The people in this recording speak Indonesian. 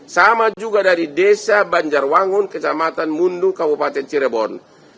sama juga dari desa banjarwangun kecamatan mundu kabupaten cirebon